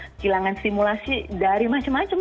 kehilangan stimulasi dari macam macam